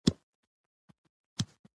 د دې ټول عمل ذهني محرکات هم وي